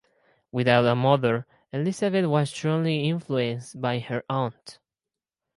Without a mother, Elizabeth was strongly influenced by her aunt.